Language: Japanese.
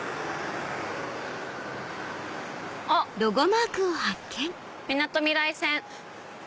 あっみなとみらい線！